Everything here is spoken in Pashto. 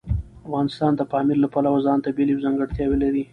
افغانستان د پامیر له پلوه ځانته بېلې او ځانګړتیاوې لري.